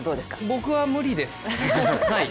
僕は無理です、はい。